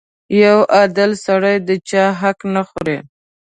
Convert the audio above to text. • یو عادل سړی د چا حق نه خوري.